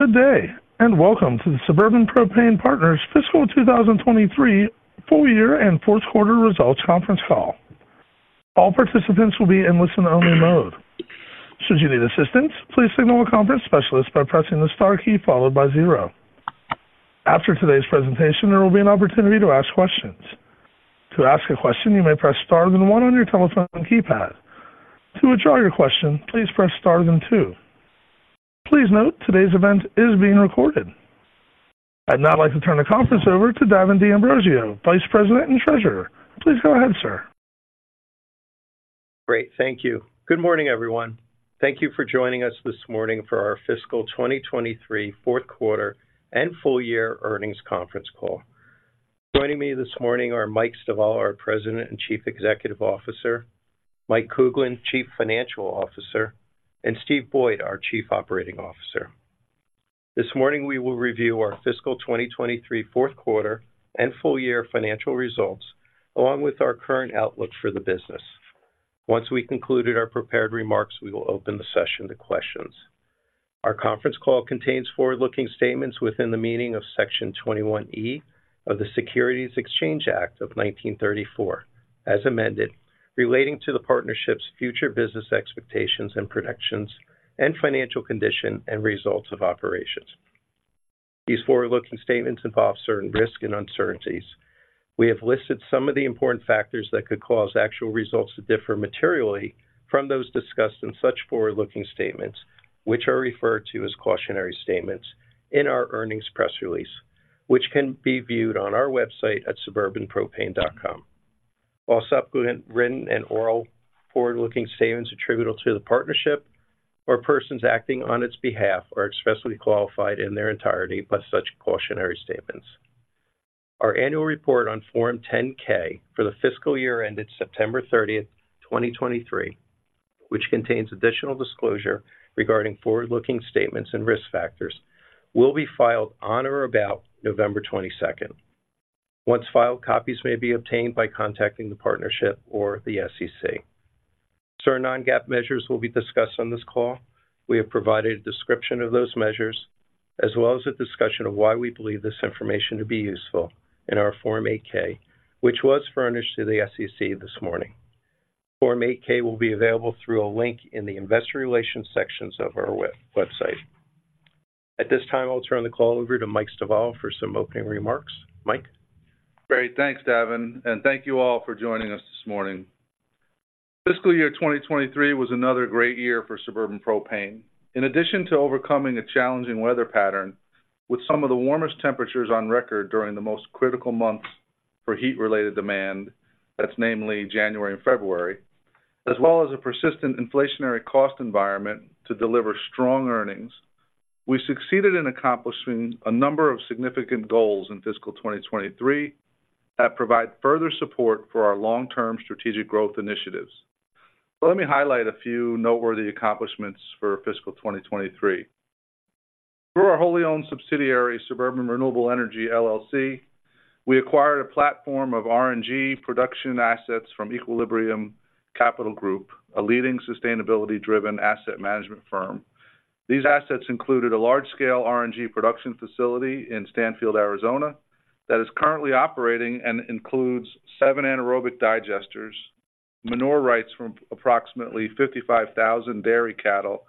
Good day, and welcome to the Suburban Propane Partners Fiscal 2023 full year and fourth quarter results conference call. All participants will be in listen-only mode. Should you need assistance, please signal a conference specialist by pressing the star key followed by zero. After today's presentation, there will be an opportunity to ask questions. To ask a question, you may press star then one on your telephone keypad. To withdraw your question, please press star then two. Please note, today's event is being recorded. I'd now like to turn the conference over to Davin D'Ambrosio, Vice President and Treasurer. Please go ahead, sir. Great. Thank you. Good morning, everyone. Thank you for joining us this morning for our fiscal 2023 Q4 and full year earnings conference call. Joining me this morning are Mike Stivala, our President and Chief Executive Officer, Mike Kuglin, Chief Financial Officer, and Steve Boyd, our Chief Operating Officer. This morning, we will review our fiscal 2023 Q4 and full year financial results, along with our current outlook for the business. Once we concluded our prepared remarks, we will open the session to questions. Our conference call contains forward-looking statements within the meaning of Section 21E of the Securities Exchange Act of 1934, as amended, relating to the partnership's future business expectations and predictions, and financial condition and results of operations. These forward-looking statements involve certain risks and uncertainties. We have listed some of the important factors that could cause actual results to differ materially from those discussed in such forward-looking statements, which are referred to as cautionary statements in our earnings press release, which can be viewed on our website at suburbanpropane.com. All subsequent written and oral forward-looking statements attributable to the partnership or persons acting on its behalf are expressly qualified in their entirety by such cautionary statements. Our annual report on Form 10-K for the fiscal year ended September 30th, 2023, which contains additional disclosure regarding forward-looking statements and risk factors, will be filed on or about November 22nd. Once filed, copies may be obtained by contacting the partnership or the SEC. Certain non-GAAP measures will be discussed on this call. We have provided a description of those measures, as well as a discussion of why we believe this information to be useful in our Form 8-K, which was furnished to the SEC this morning. Form 8-K will be available through a link in the investor relations sections of our website. At this time, I'll turn the call over to Mike Stivala for some opening remarks. Mike? Great. Thanks, Davin, and thank you all for joining us this morning. Fiscal year 2023 was another great year for Suburban Propane. In addition to overcoming a challenging weather pattern with some of the warmest temperatures on record during the most critical months for heat-related demand, that's namely January and February, as well as a persistent inflationary cost environment to deliver strong earnings, we succeeded in accomplishing a number of significant goals in fiscal 2023 that provide further support for our long-term strategic growth initiatives. Let me highlight a few noteworthy accomplishments for fiscal 2023. Through our wholly owned subsidiary, Suburban Renewable Energy, LLC, we acquired a platform of RNG production assets from Equilibrium Capital Group, a leading sustainability-driven asset management firm. These assets included a large-scale RNG production facility in Stanfield, Arizona, that is currently operating and includes seven anaerobic digesters, manure rights from approximately 55,000 dairy cattle,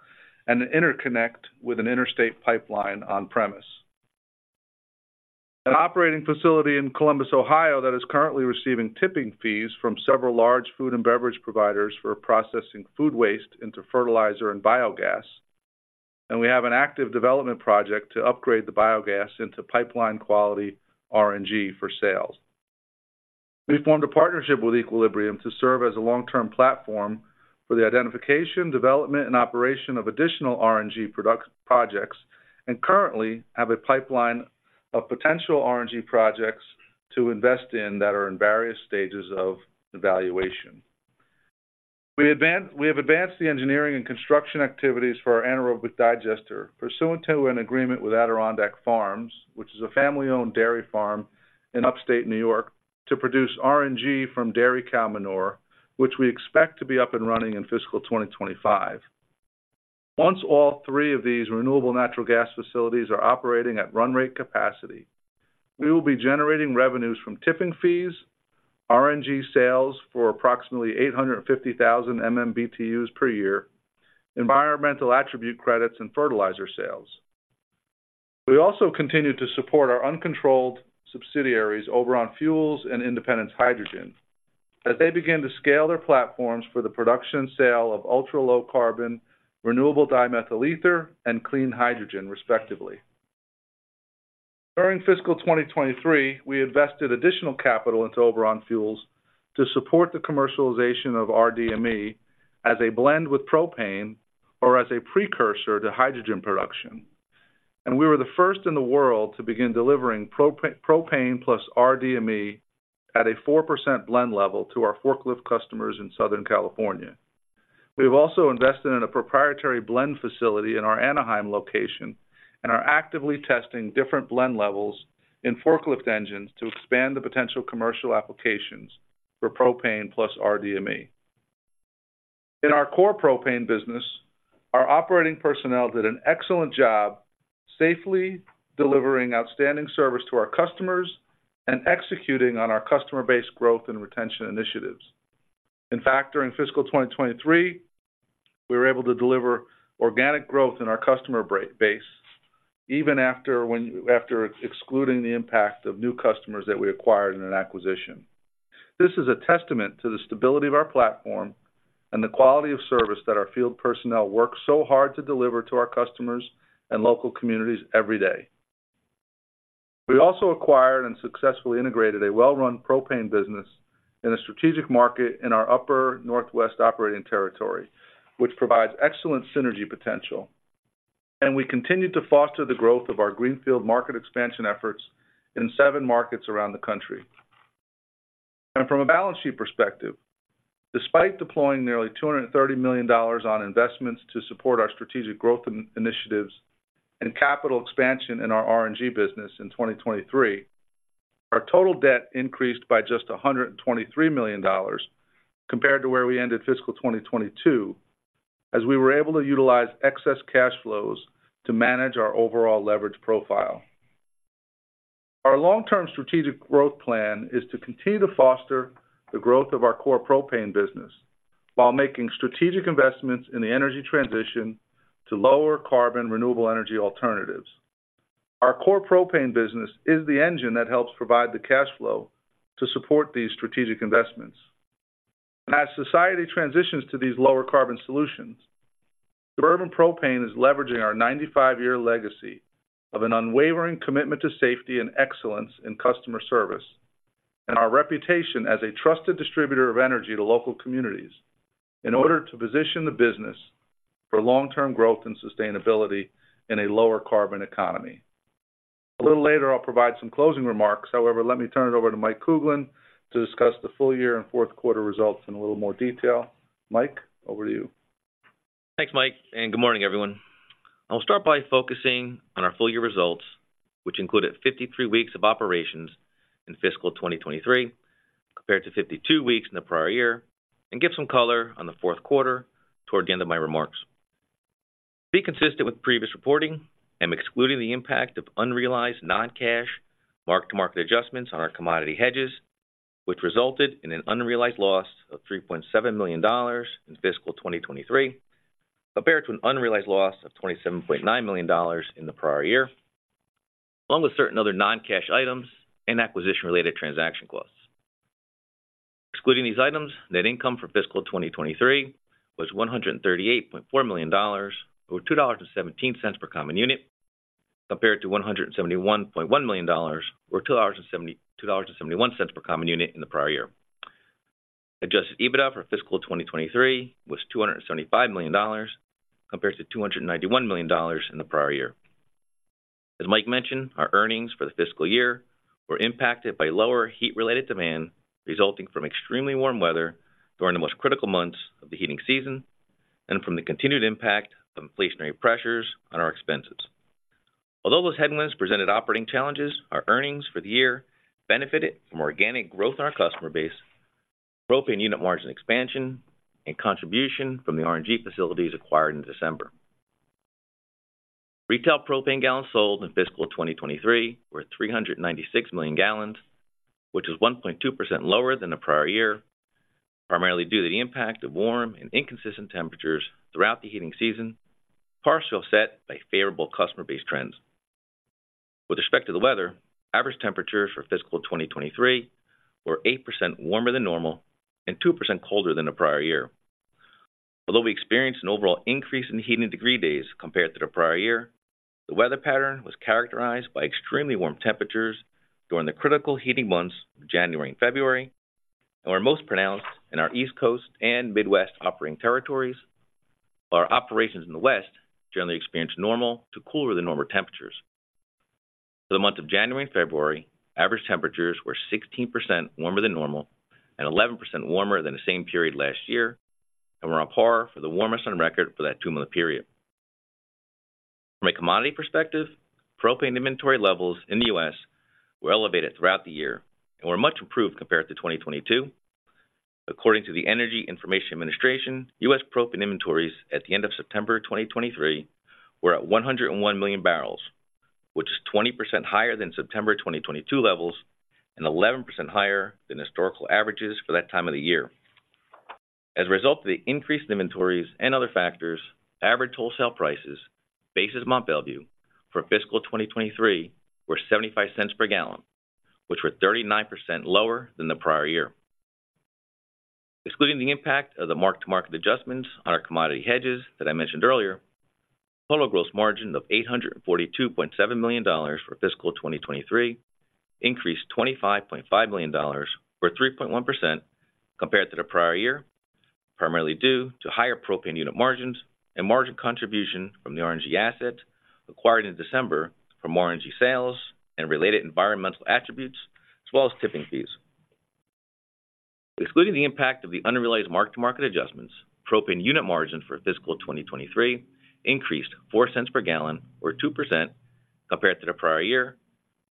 and an interconnect with an interstate pipeline on premise. An operating facility in Columbus, Ohio, that is currently receiving tipping fees from several large food and beverage providers for processing food waste into fertilizer and biogas, and we have an active development project to upgrade the biogas into pipeline-quality RNG for sale. We formed a partnership with Equilibrium to serve as a long-term platform for the identification, development, and operation of additional RNG product projects, and currently have a pipeline of potential RNG projects to invest in that are in various stages of evaluation. We have advanced the engineering and construction activities for our anaerobic digester pursuant to an agreement with Adirondack Farms, which is a family-owned dairy farm in upstate New York, to produce RNG from dairy cow manure, which we expect to be up and running in fiscal 2025. Once all three of these renewable natural gas facilities are operating at run rate capacity, we will be generating revenues from tipping fees, RNG sales for approximately 850,000 MMBtus per year, environmental attribute credits, and fertilizer sales. We also continued to support our unconsolidated subsidiaries, Oberon Fuels and Independence Hydrogen, as they begin to scale their platforms for the production and sale of ultra-low carbon, renewable dimethyl ether, and clean hydrogen, respectively. During fiscal 2023, we invested additional capital into Oberon Fuels to support the commercialization of rDME as a blend with propane or as a precursor to hydrogen production. We were the first in the world to begin delivering propane plus rDME at a 4% blend level to our forklift customers in Southern California. We've also invested in a proprietary blend facility in our Anaheim location and are actively testing different blend levels in forklift engines to expand the potential commercial applications for propane plus rDME.... In our core propane business, our operating personnel did an excellent job safely delivering outstanding service to our customers and executing on our customer base growth and retention initiatives. In fact, during fiscal 2023, we were able to deliver organic growth in our customer base, even after excluding the impact of new customers that we acquired in an acquisition. This is a testament to the stability of our platform and the quality of service that our field personnel work so hard to deliver to our customers and local communities every day. We also acquired and successfully integrated a well-run propane business in a strategic market in our upper northwest operating territory, which provides excellent synergy potential, and we continued to foster the growth of our greenfield market expansion efforts in seven markets around the country. From a balance sheet perspective, despite deploying nearly $230 million on investments to support our strategic growth initiatives and capital expansion in our RNG business in 2023, our total debt increased by just $123 million compared to where we ended fiscal 2022, as we were able to utilize excess cash flows to manage our overall leverage profile. Our long-term strategic growth plan is to continue to foster the growth of our core propane business while making strategic investments in the energy transition to lower carbon renewable energy alternatives. Our core propane business is the engine that helps provide the cash flow to support these strategic investments. As society transitions to these lower carbon solutions, Suburban Propane is leveraging our 95-year legacy of an unwavering commitment to safety and excellence in customer service and our reputation as a trusted distributor of energy to local communities in order to position the business for long-term growth and sustainability in a lower carbon economy. A little later, I'll provide some closing remarks. However, let me turn it over to Mike Kuglin to discuss the full year and Q4 results in a little more detail. Mike, over to you. Thanks, Mike, and good morning, everyone. I'll start by focusing on our full-year results, which included 53 weeks of operations in fiscal 2023 compared to 52 weeks in the prior year, and give some color on the Q4 toward the end of my remarks. To be consistent with previous reporting, I'm excluding the impact of unrealized non-cash mark-to-market adjustments on our commodity hedges, which resulted in an unrealized loss of $3.7 million in fiscal 2023, compared to an unrealized loss of $27.9 million in the prior year, along with certain other non-cash items and acquisition-related transaction costs. Excluding these items, net income for fiscal 2023 was $138.4 million, or $2.17 per common unit, compared to $171.1 million, or $2.72 and $2.71 per common unit in the prior year. Adjusted EBITDA for fiscal 2023 was $275 million, compared to $291 million in the prior year. As Mike mentioned, our earnings for the fiscal year were impacted by lower heat-related demand, resulting from extremely warm weather during the most critical months of the heating season and from the continued impact of inflationary pressures on our expenses. Although those headwinds presented operating challenges, our earnings for the year benefited from organic growth in our customer base, propane unit margin expansion, and contribution from the RNG facilities acquired in December. Retail propane gallons sold in fiscal 2023 were 396 million gallons, which is 1.2% lower than the prior year, primarily due to the impact of warm and inconsistent temperatures throughout the heating season, partially offset by favorable customer-based trends. With respect to the weather, average temperatures for fiscal 2023 were 8% warmer than normal and 2% colder than the prior year. Although we experienced an overall increase in heating degree days compared to the prior year, the weather pattern was characterized by extremely warm temperatures during the critical heating months of January and February and were most pronounced in our East Coast and Midwest operating territories, while our operations in the West generally experienced normal to cooler-than-normal temperatures. For the month of January and February, average temperatures were 16% warmer than normal and 11% warmer than the same period last year and were on par for the warmest on record for that two-month period. From a commodity perspective, propane inventory levels in the U.S. were elevated throughout the year and were much improved compared to 2022. According to the Energy Information Administration, U.S. propane inventories at the end of September 2023 were at 101 million barrels, which is 20% higher than September 2022 levels and 11% higher than historical averages for that time of the year. As a result of the increased inventories and other factors, average wholesale prices, basis Mont Belvieu, for fiscal 2023 were $0.75 per gallon, which were 39% lower than the prior year. Excluding the impact of the mark-to-market adjustments on our commodity hedges that I mentioned earlier, total gross margin of $842.7 million for fiscal 2023 increased $25.5 million, or 3.1%, compared to the prior year, primarily due to higher propane unit margins and margin contribution from the RNG assets acquired in December from RNG sales and related environmental attributes, as well as tipping fees. Excluding the impact of the unrealized mark-to-market adjustments, propane unit margin for fiscal 2023 increased $0.04 per gallon or 2% compared to the prior year....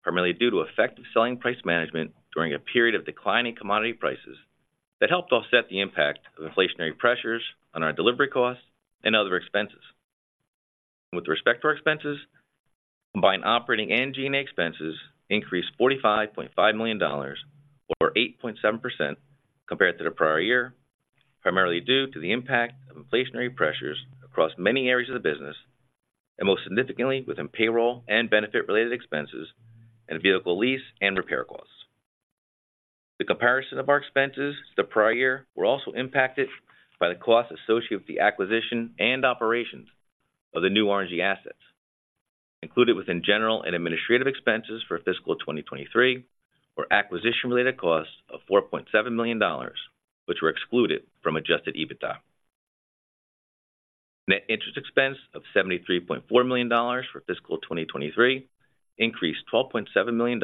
primarily due to effective selling price management during a period of declining commodity prices that helped offset the impact of inflationary pressures on our delivery costs and other expenses. With respect to our expenses, combined operating and G&A expenses increased $45.5 million, or 8.7% compared to the prior year, primarily due to the impact of inflationary pressures across many areas of the business, and most significantly within payroll and benefit-related expenses and vehicle lease and repair costs. The comparison of our expenses to the prior year were also impacted by the costs associated with the acquisition and operations of the new RNG assets. Included within general and administrative expenses for fiscal 2023 were acquisition-related costs of $4.7 million, which were excluded from adjusted EBITDA. Net interest expense of $73.4 million for fiscal 2023 increased $12.7 million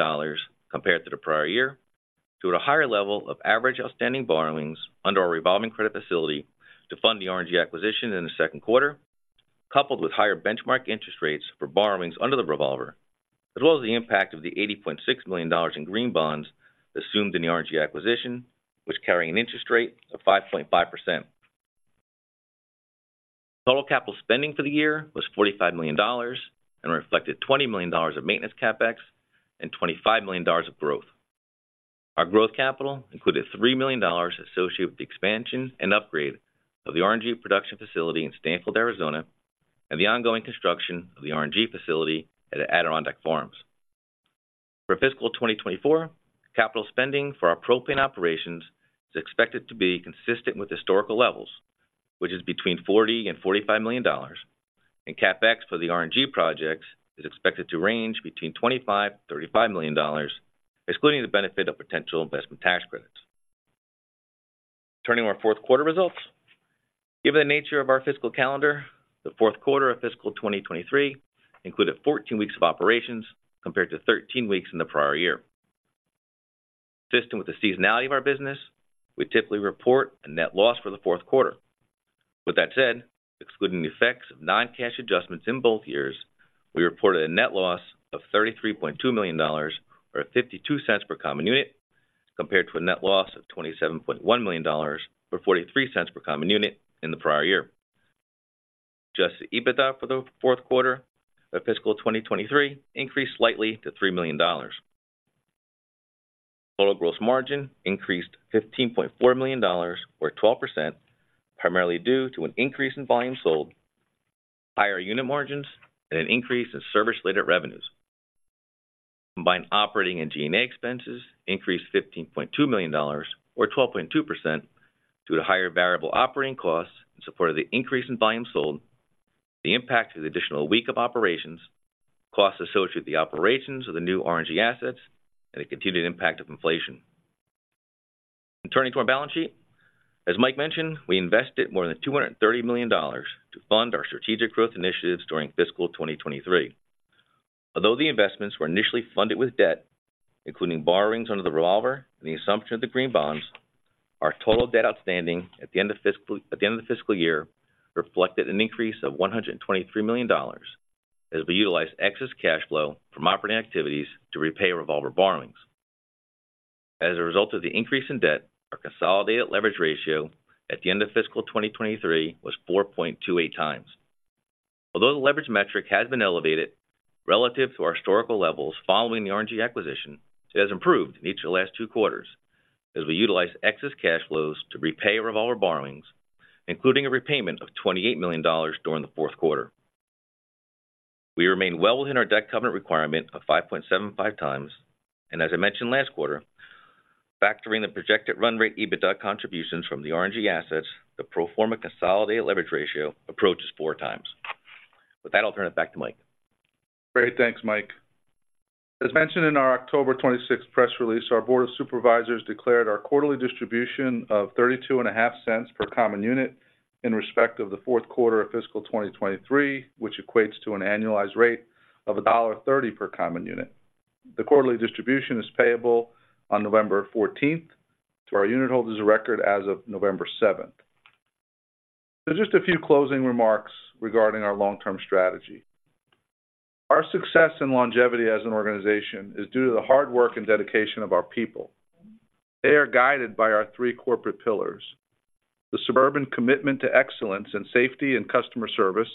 compared to the prior year, due to a higher level of average outstanding borrowings under our revolving credit facility to fund the RNG acquisition in the Q2, coupled with higher benchmark interest rates for borrowings under the revolver, as well as the impact of the $80.6 million in green bonds assumed in the RNG acquisition, which carry an interest rate of 5.5%. Total capital spending for the year was $45 million and reflected $20 million of maintenance CapEx and $25 million of growth. Our growth capital included $3 million associated with the expansion and upgrade of the RNG production facility in Stanfield, Arizona, and the ongoing construction of the RNG facility at the Adirondack Farms. For fiscal 2024, capital spending for our propane operations is expected to be consistent with historical levels, which is between $40 million-$45 million, and CapEx for the RNG projects is expected to range between $25 million-$35 million, excluding the benefit of potential investment tax credits. Turning to our Q4 results. Given the nature of our fiscal calendar, the Q4 of fiscal 2023 included 14 weeks of operations, compared to 13 weeks in the prior year. Consistent with the seasonality of our business, we typically report a net loss for the Q4. With that said, excluding the effects of non-cash adjustments in both years, we reported a net loss of $33.2 million, or $0.52 per Common Unit, compared to a net loss of $27.1 million, or $0.43 per Common Unit in the prior year. Adjusted EBITDA for the Q4 of fiscal 2023 increased slightly to $3 million. Total gross margin increased $15.4 million, or 12%, primarily due to an increase in volume sold, higher unit margins, and an increase in service-related revenues. Combined operating and G&A expenses increased $15.2 million, or 12.2%, due to higher variable operating costs in support of the increase in volume sold, the impact of the additional week of operations, costs associated with the operations of the new RNG assets, and the continued impact of inflation. Turning to our balance sheet. As Mike mentioned, we invested more than $230 million to fund our strategic growth initiatives during fiscal 2023. Although the investments were initially funded with debt, including borrowings under the revolver and the assumption of the green bonds, our total debt outstanding at the end of the fiscal year reflected an increase of $123 million, as we utilized excess cash flow from operating activities to repay revolver borrowings. As a result of the increase in debt, our consolidated leverage ratio at the end of fiscal 2023 was 4.28 times. Although the leverage metric has been elevated relative to our historical levels following the RNG acquisition, it has improved in each of the last two quarters as we utilized excess cash flows to repay revolver borrowings, including a repayment of $28 million during the Q4. We remain well within our debt covenant requirement of 5.75x, and as I mentioned last quarter, factoring the projected run rate EBITDA contributions from the RNG assets, the pro forma consolidated leverage ratio approaches 4 times. With that, I'll turn it back to Mike. Great. Thanks, Mike. As mentioned in our October 26th press release, our Board of Supervisors declared our quarterly distribution of $0.325 per Common Unit in respect of the Q4 of fiscal 2023, which equates to an annualized rate of $1.30 per Common Unit. The quarterly distribution is payable on November 14th, to our unit holders of record as of November 7th. So just a few closing remarks regarding our long-term strategy. Our success and longevity as an organization is due to the hard work and dedication of our people. They are guided by our three corporate pillars: the Suburban commitment to excellence in safety and customer service,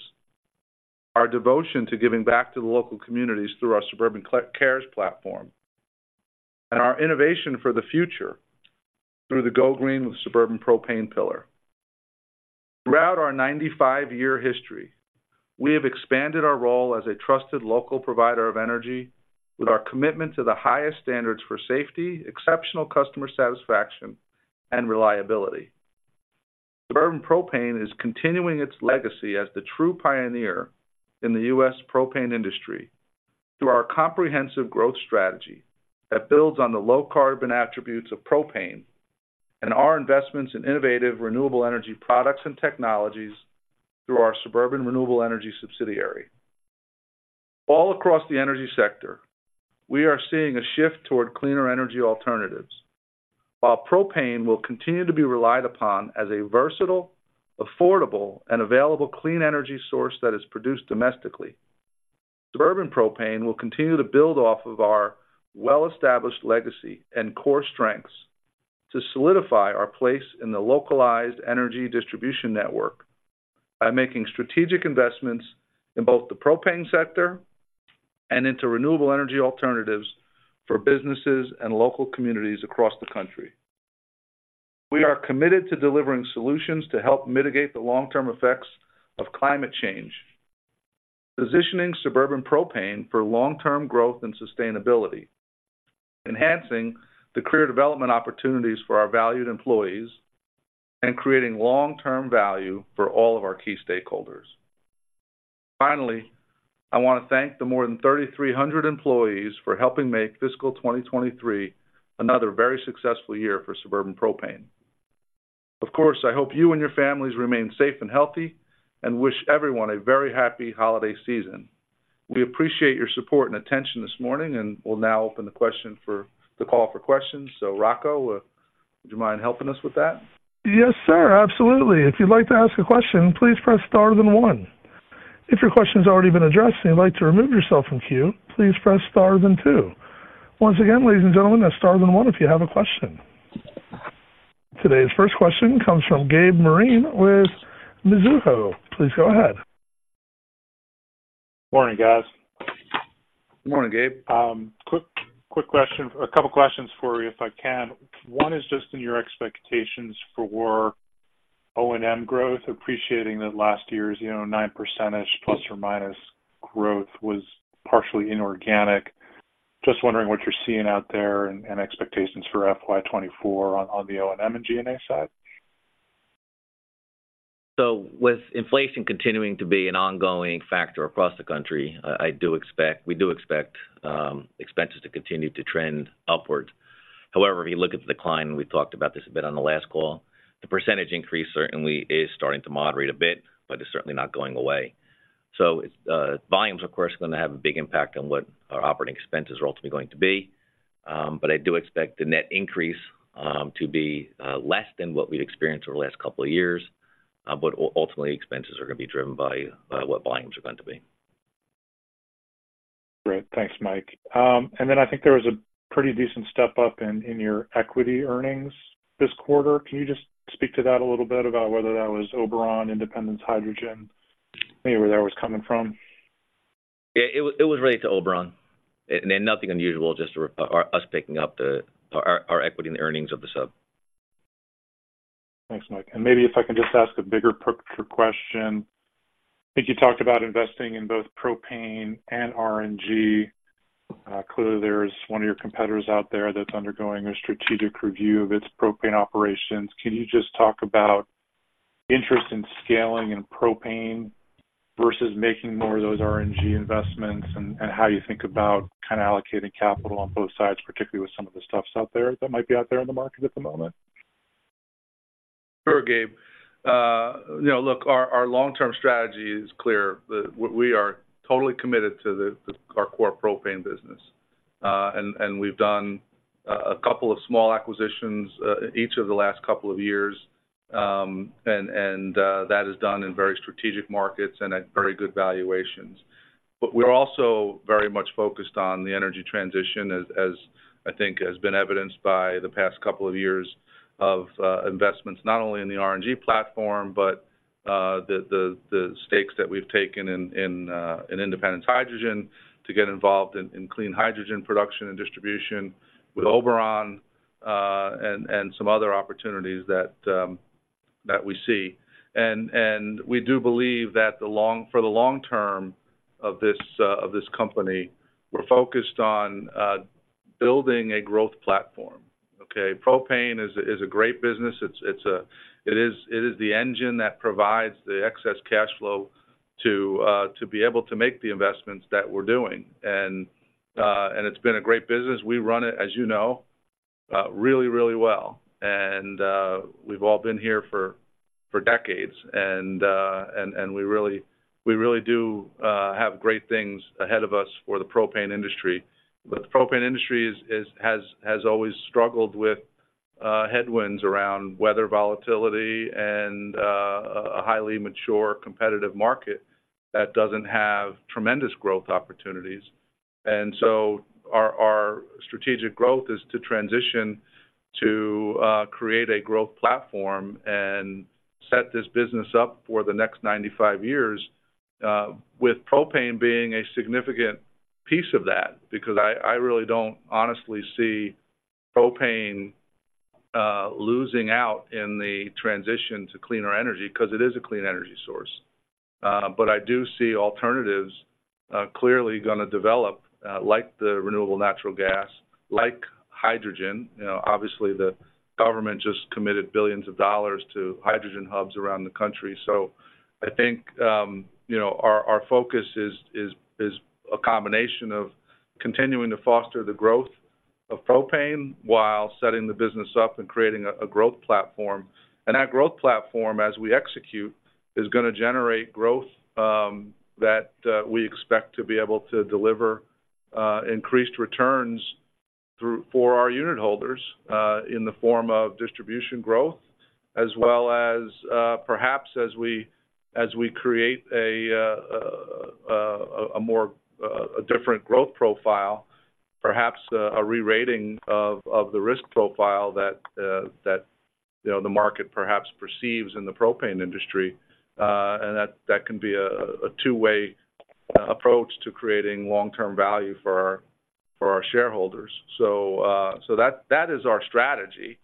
our devotion to giving back to the local communities through our Suburban Cares platform, and our innovation for the future through the Go Green with Suburban Propane pillar. Throughout our 95-year history, we have expanded our role as a trusted local provider of energy with our commitment to the highest standards for safety, exceptional customer satisfaction, and reliability. Suburban Propane is continuing its legacy as the true pioneer in the U.S. propane industry through our comprehensive growth strategy that builds on the low-carbon attributes of propane and our investments in innovative renewable energy products and technologies through our Suburban Renewable Energy subsidiary. All across the energy sector, we are seeing a shift toward cleaner energy alternatives.... While propane will continue to be relied upon as a versatile, affordable, and available clean energy source that is produced domestically, Suburban Propane will continue to build off of our well-established legacy and core strengths to solidify our place in the localized energy distribution network by making strategic investments in both the propane sector and into renewable energy alternatives for businesses and local communities across the country. We are committed to delivering solutions to help mitigate the long-term effects of climate change, positioning Suburban Propane for long-term growth and sustainability, enhancing the career development opportunities for our valued employees, and creating long-term value for all of our key stakeholders. Finally, I want to thank the more than 3,300 employees for helping make fiscal 2023 another very successful year for Suburban Propane. Of course, I hope you and your families remain safe and healthy, and wish everyone a very happy holiday season. We appreciate your support and attention this morning, and we'll now open the call for questions. So, Rocco, would you mind helping us with that? Yes, sir. Absolutely. If you'd like to ask a question, please press star then one. If your question's already been addressed and you'd like to remove yourself from queue, please press star then two. Once again, ladies and gentlemen, that's star then one if you have a question. Today's first question comes from Gabe Moreen with Mizuho. Please go ahead. Morning, guys. Morning, Gabe. Quick question. A couple questions for you, if I can. One is just in your expectations for O&M growth, appreciating that last year's, you know, 9% ± growth was partially inorganic. Just wondering what you're seeing out there and expectations for FY 2024 on the O&M and G&A side. So with inflation continuing to be an ongoing factor across the country, I do expect—we do expect expenses to continue to trend upwards. However, if you look at the decline, and we talked about this a bit on the last call, the percentage increase certainly is starting to moderate a bit, but it's certainly not going away. So it's volumes, of course, are going to have a big impact on what our operating expenses are ultimately going to be. But I do expect the net increase to be less than what we'd experienced over the last couple of years. But ultimately, expenses are going to be driven by what volumes are going to be. Great. Thanks, Mike. And then I think there was a pretty decent step up in your equity earnings this quarter. Can you just speak to that a little bit about whether that was Oberon, Independence Hydrogen, maybe where that was coming from? Yeah, it was related to Oberon. And nothing unusual, just us picking up our equity and the earnings of the sub. Thanks, Mike. And maybe if I can just ask a bigger question. I think you talked about investing in both propane and RNG. Clearly, there's one of your competitors out there that's undergoing a strategic review of its propane operations. Can you just talk about interest in scaling in propane versus making more of those RNG investments, and how you think about kind of allocating capital on both sides, particularly with some of the stuff out there that might be out there in the market at the moment? Sure, Gabe. You know, look, our long-term strategy is clear, that we are totally committed to our core propane business. And we've done a couple of small acquisitions each of the last couple of years. That is done in very strategic markets and at very good valuations. But we're also very much focused on the energy transition as I think has been evidenced by the past couple of years of investments, not only in the RNG platform, but the stakes that we've taken in Independence Hydrogen to get involved in clean hydrogen production and distribution with Oberon, and some other opportunities that we see. And we do believe that for the long term of this company, we're focused on building a growth platform, okay? Propane is a great business. It's a great business. It is the engine that provides the excess cash flow to be able to make the investments that we're doing. And it's been a great business. We run it, as you know, really well. And we've all been here for decades, and we really do have great things ahead of us for the propane industry. But the propane industry has always struggled with headwinds around weather volatility and a highly mature, competitive market that doesn't have tremendous growth opportunities. And so our strategic growth is to transition to create a growth platform and set this business up for the next 95 years, with propane being a significant piece of that, because I really don't honestly see propane losing out in the transition to cleaner energy because it is a clean energy source. But I do see alternatives clearly gonna develop, like the renewable natural gas, like hydrogen. You know, obviously, the government just committed billions of dollars to hydrogen hubs around the country. So I think you know, our focus is a combination of continuing to foster the growth of propane while setting the business up and creating a growth platform. And that growth platform, as we execute, is gonna generate growth that we expect to be able to deliver-... Increased returns through for our unit holders in the form of distribution growth, as well as, perhaps as we create a more different growth profile, perhaps a rerating of the risk profile that you know the market perhaps perceives in the propane industry. And that can be a two-way approach to creating long-term value for our shareholders. So that is our strategy.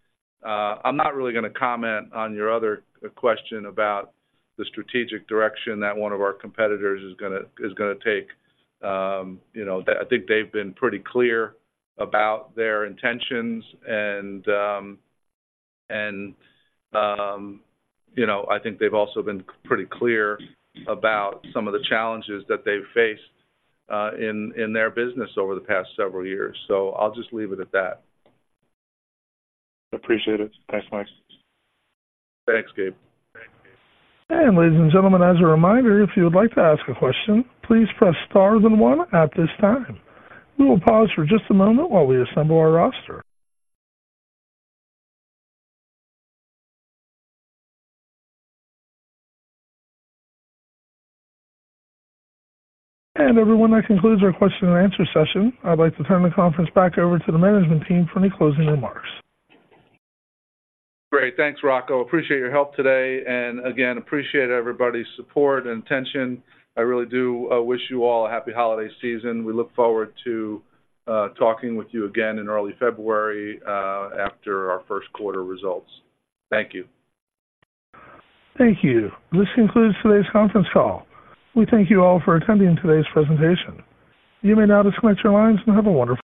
I'm not really gonna comment on your other question about the strategic direction that one of our competitors is gonna take. You know, I think they've been pretty clear about their intentions, and you know, I think they've also been pretty clear about some of the challenges that they've faced in their business over the past several years. So I'll just leave it at that. Appreciate it. Thanks, Mike. Thanks, Gabe. Ladies and gentlemen, as a reminder, if you would like to ask a question, please press star then one at this time. We will pause for just a moment while we assemble our roster. Everyone, that concludes our question and answer session. I'd like to turn the conference back over to the management team for any closing remarks. Great. Thanks, Rocco. Appreciate your help today, and again, appreciate everybody's support and attention. I really do wish you all a happy holiday season. We look forward to talking with you again in early February after our Q1 results. Thank you. Thank you. This concludes today's conference call. We thank you all for attending today's presentation. You may now disconnect your lines and have a wonderful day.